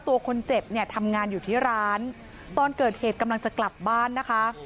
ตัวคนเจ็บเนี่ยทำงานอยู่ที่ร้านตอนเกิดเหตุกำลังจะกลับบ้านนะคะ